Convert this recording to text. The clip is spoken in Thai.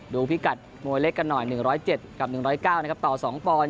ดูพี่กัดมวยเล็กกันหน่อย๑๐๗กับ๑๐๙ต่อ๒ปอนด์